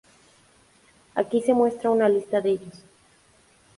Aquí se muestra una lista de ellos.